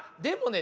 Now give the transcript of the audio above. ね